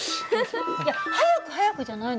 いや「早く早く」じゃないのよ。